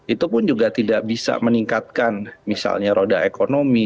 itu pun juga tidak bisa meningkatkan misalnya roda ekonomi